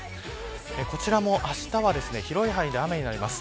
こちらも、あしたは広い範囲で雨になります。